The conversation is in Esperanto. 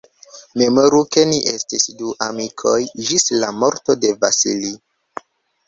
Memoru, ke ni estis du amikoj ĝis la morto de Vasili.